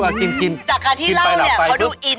จากการที่เล่าเนี่ยโครงสร้างเค้าดูอิ้นมาก